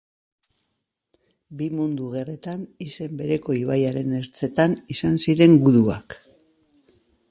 Bi Mundu Gerretan izen bereko ibaiaren ertzetan izan ziren guduak.